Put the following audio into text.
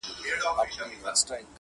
• تاريخ بيا بيا هماغه وايي تل..